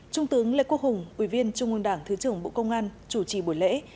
trung tướng lê quốc hùng ủy viên trung ương đảng thứ trưởng bộ công an chủ trì buổi lễ